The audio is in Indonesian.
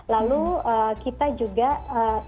lalu kita juga harus membuat ibu menjadi lebih rilis